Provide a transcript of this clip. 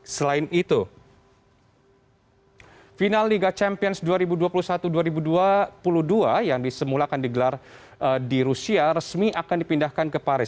selain itu final liga champions dua ribu dua puluh satu dua ribu dua puluh dua yang disemulakan digelar di rusia resmi akan dipindahkan ke paris